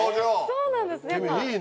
そうなんです。